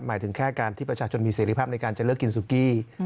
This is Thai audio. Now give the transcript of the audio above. หมายถึงแค่การที่ประชาชนมีเสรีภาพในการจะเลือกกินซูกี้